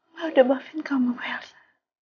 mbak udah mafin kamu mbak elsa